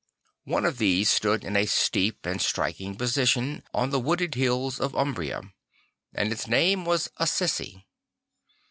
One of these stood in a steep and striking position on the wooded hills of Umbria; and its name was Assisi.